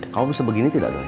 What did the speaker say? kalau bisa begini tidak dong